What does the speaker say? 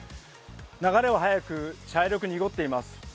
流れは速く茶色く濁っています。